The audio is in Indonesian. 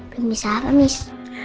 belum bisa apa miss